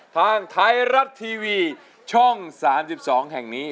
ทางไทยรัฐทีวีช่อง๓๒แห่งนี้